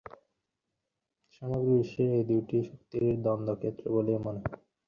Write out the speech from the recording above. যজ্ঞেশ্বরবাবু মীরাটে যজ্ঞেশ্বর মুখোপাধ্যায়ের অতিথিরূপে স্বামীজী প্রমুখ গুরুভ্রাতাগণ কিছুকাল কাটান।